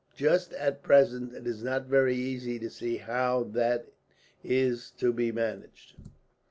Just at present it is not very easy to see how that is to be managed.